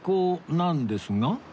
なんですが